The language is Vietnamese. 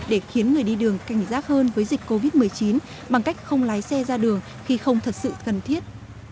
để khiến người đi đường cảnh giác hơn với dịch covid một mươi chín bằng cách không lái xe ra đường khi không thật sự cần thiết